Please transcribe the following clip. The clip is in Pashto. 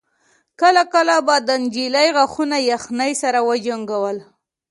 کله کله به د نجلۍ غاښونه يخنۍ سره وجنګول.